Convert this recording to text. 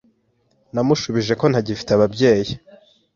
Namushubije ko ntagifite ababyeyi.